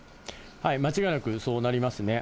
間違いなくそうなりますね。